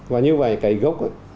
và như vậy cái gốc